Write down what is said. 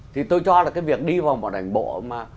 thì tôi cho là cái việc đi vào một đảng bộ mà